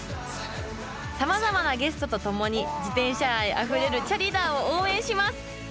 さまざまなゲストと共に自転車愛あふれるチャリダーを応援します！